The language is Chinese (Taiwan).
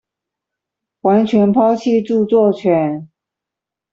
完全拋棄著作權